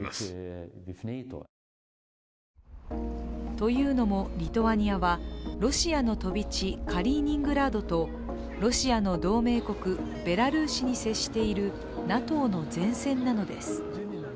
というのも、リトアニアはロシアの飛び地カリーニングラードとロシアの同盟国ベラルーシに接しているＮＡＴＯの前線なのです。